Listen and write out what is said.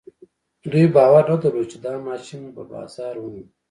دوی باور نه درلود چې دا ماشين به بازار ومومي.